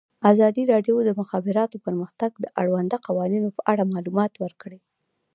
ازادي راډیو د د مخابراتو پرمختګ د اړونده قوانینو په اړه معلومات ورکړي.